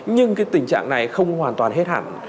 nhưng cái tình trạng này không hoàn toàn hết hẳn